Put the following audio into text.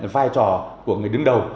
vai trò của người đứng đầu